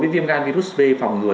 đối với viêm gan virus b phòng ngừa